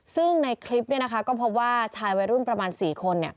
ซึ่งในคลิปก็พบว่าชายวัยรุ่นประมาณ๔คน